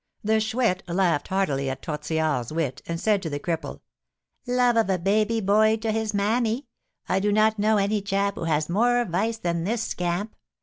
The Chouette laughed heartily at Tortillard's wit, and said to the cripple: "Love of a baby boy to his mammy! I do not know any chap who has more vice than this scamp.